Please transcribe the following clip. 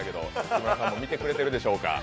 木村さんも見てくれているでしょうか。